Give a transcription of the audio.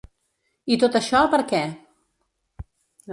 I tot això, per què?